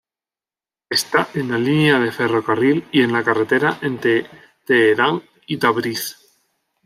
Está en la línea de ferrocarril y en la carretera entre Teherán y Tabriz.